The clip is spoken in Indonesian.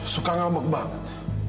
suka ngamuk banget